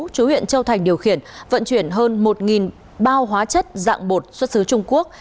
chú huyện châu thành điều khiển vận chuyển hơn một bao hóa chất dạng bột xuất xứ trung quốc